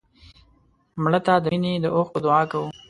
مړه ته د مینې د اوښکو دعا کوو